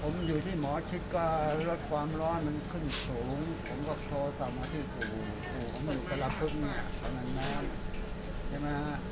ก็ผมอยู่ที่หมอชิกก็รถความร้อนมันขึ้นสูงผมก็โทรสอบมาที่สูงผมอยู่กระลักษณะนั้นใช่ไหม